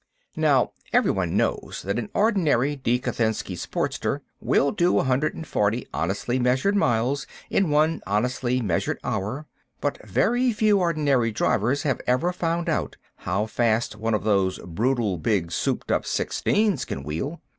Now everyone knows that an ordinary DeKhotinsky Sporter will do a hundred and forty honestly measured miles in one honestly measured hour; but very few ordinary drivers have ever found out how fast one of those brutal big souped up Sixteens can wheel.